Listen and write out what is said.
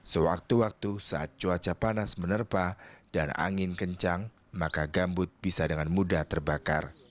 sewaktu waktu saat cuaca panas menerpa dan angin kencang maka gambut bisa dengan mudah terbakar